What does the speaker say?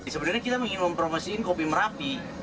sebenarnya kita ingin mempromosiin kopi merapi